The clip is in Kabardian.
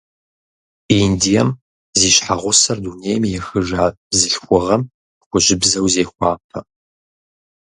Индием зи щхьэгъусэр дунейм ехыжа бзылъхугъэм хужьыбзэу зехуапэ.